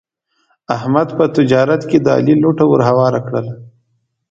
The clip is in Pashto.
احمد په تجارت کې د علي لوټه ور هواره کړله.